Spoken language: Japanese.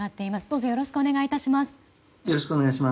どうぞよろしくお願い致します。